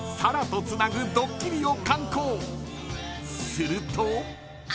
［すると］